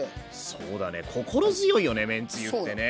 そうだね心強いよね麺つゆってね。